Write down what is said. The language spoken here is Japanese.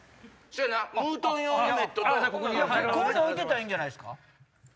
ここに置いてたらいいんじゃないですか？